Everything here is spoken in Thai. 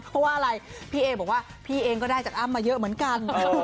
เพราะว่าอะไรพี่เอบอกว่าพี่เองก็ได้จากอ้ำมาเยอะเหมือนกัน